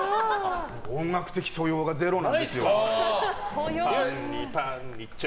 音楽的素養がゼロなんですよ。